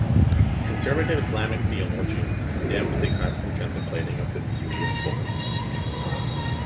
Conservative Islamic theologians condemned the custom of contemplating the beauty of boys.